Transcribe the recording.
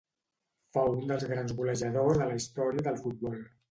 Fou un dels grans golejadors de la història del futbol.